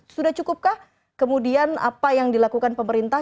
sudah cukupkah kemudian apa yang dilakukan pemerintah